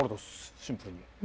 シンプルに。